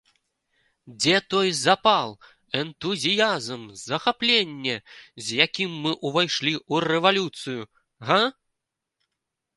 Дзе той запал, энтузіязм, захапленне, з якім мы ўвайшлі ў рэвалюцыю, га?